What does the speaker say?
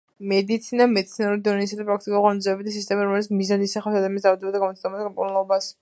მედიცინა მეცნიერული ცოდნისა და პრაქტიკულ ღონისძიებათა სისტემა, რომელიც მიზნად ისახავს ადამიანის დაავადებათა გამოცნობას, მკურნალობას.